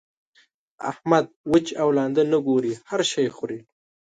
احمد؛ وچ او لانده نه ګوري؛ هر شی خوري.